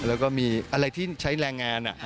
แล้วก็มีอะไรที่ใช้แรงงาน